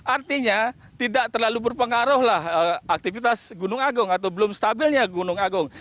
artinya tidak terlalu berpengaruhlah aktivitas gunung agung atau belum stabilnya gunung agung